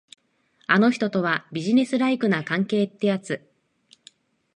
あの人とは、ビジネスライクな関係ってやつ。